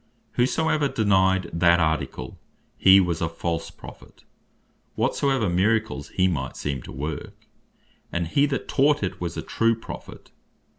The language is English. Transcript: Whosoever denyed that Article, he was a false Prophet, whatsoever miracles he might seem to work; and he that taught it was a true Prophet.